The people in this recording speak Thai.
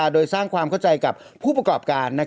โดยสร้างความเข้าใจกับผู้ประกอบการ